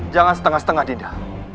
jangan setengah setengah dinda